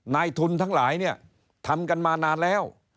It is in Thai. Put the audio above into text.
นายทุนทั้งหลายเนี่ยทำกันมานานแล้ว